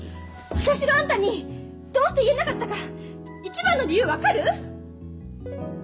私があんたにどうして言えなかったか一番の理由分かる！？